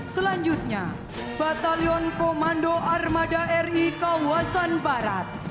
selanjutnya batalion komando armada ri kawasan barat